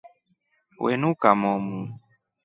We nuka momu.